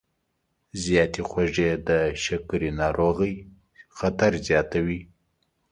زیاتې خوږې د شکرې ناروغۍ خطر زیاتوي.